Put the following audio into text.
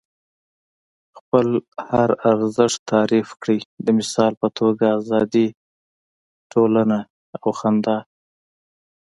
خپل هر ارزښت تعریف کړئ. د مثال په توګه ازادي، ټولنه او خندا.